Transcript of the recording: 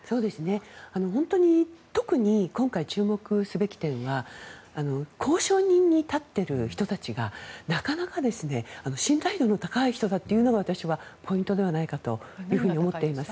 本当に特に今回注目すべき点は交渉人に立っている人たちがなかなか信頼度の高い人だというのが私はポイントではないかなと思っています。